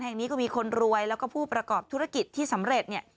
แห่งนี้ก็มีคนรวยแล้วก็ผู้ประกอบธุรกิจที่สำเร็จเนี่ย